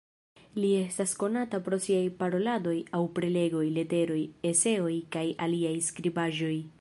Li estas konata pro siaj Paroladoj aŭ Prelegoj, leteroj, eseoj kaj aliaj skribaĵoj.